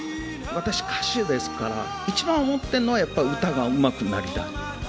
私、歌手ですから、一番思ってるのは、やっぱ、歌がうまくなりたい。